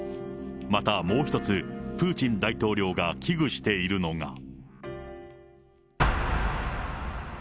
また、もう一つ、プーチン大統領が危惧しているのが。